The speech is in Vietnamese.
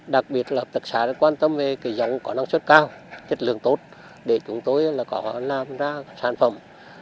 đặc biệt là hợp tác xã đã quan tâm về dòng có năng suất cao chất lượng tốt để chúng tôi có làm ra sản phẩm